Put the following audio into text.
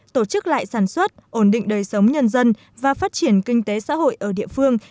tổ chức lại sản xuất ổn định đời sống nhân dân và phát triển kinh tế xã hội ở địa phương